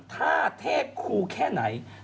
ถ้าเทพครูแค่ไหน